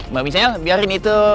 mbak michel biarin itu